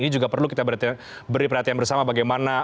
ini juga perlu kita beri perhatian bersama bagaimana